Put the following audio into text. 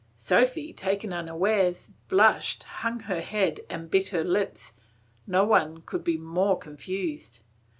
Sophy, taken unawares, blushed, hung her head, and bit her lips; no one could be more confused.